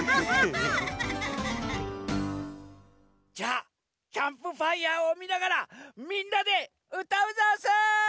じゃあキャンプファイヤーをみながらみんなでうたうざんす！